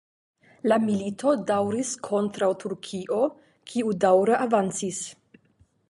La milito daŭris kontraŭ Turkio, kiu daŭre avancis.